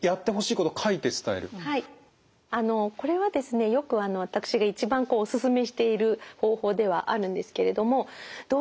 これはですねよく私が一番お勧めしている方法ではあるんですけれどもどうしてもですね